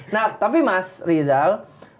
nah tapi mas rizal